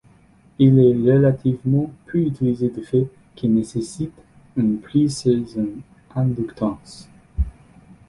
Il est relativement peu utilisé du fait qu'il nécessite une prise sur une inductance.